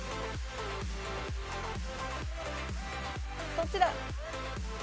どっちだ？